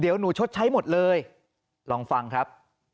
เดี๋ยวหนูชดใช้หมดเลยลองฟังครับ